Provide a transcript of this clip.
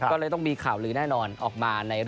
ก็เลยต้องมีข่าวลือแน่นอนออกมา